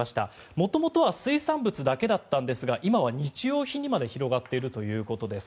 元々は水産物だけだったんですが今は日用品にまで広がっているということです。